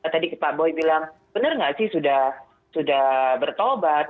tadi pak boy bilang benar nggak sih sudah bertobat